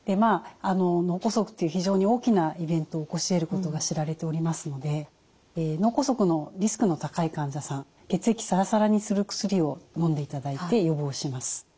脳梗塞という非常に大きなイベントを起こしえることが知られておりますので脳梗塞のリスクの高い患者さん血液さらさらにする薬をのんでいただいて予防します。